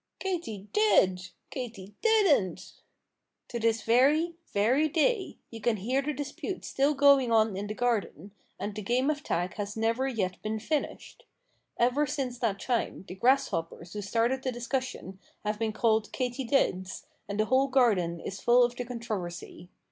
"Katy did!" "Katy didn't!" To this very, very day, you can hear the dispute still going on in the garden, and the game of tag has never yet been finished. Ever since that time the grasshoppers who started the discussion have been called katydids, and the whole garden is full of the controversy.